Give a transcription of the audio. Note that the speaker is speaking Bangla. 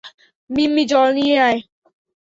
মিম্মি জল নিয়ে আয়।